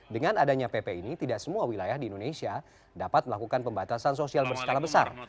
dengan adanya pp ini tidak semua wilayah di indonesia dapat melakukan pembatasan sosial berskala besar